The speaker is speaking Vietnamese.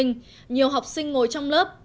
nhiều học sinh ngồi trong lớp